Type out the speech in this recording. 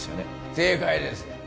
正解です